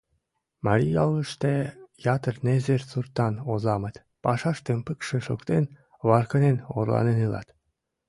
Марий яллаште ятыр незер суртан озамыт, пашаштым пыкше шуктен, варкынен-орланен илат.